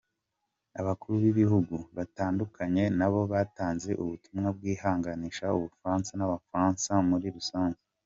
Abakuru b’ibihugu batandukanye nabo batanze ubutumwa bwihanganisha u Bufaransa n’Abafaransa muri rusange.